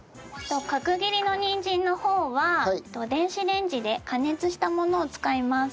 角切りのにんじんの方は電子レンジで加熱したものを使います。